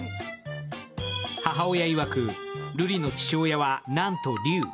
母親いわく、ルリの父親はなんと龍。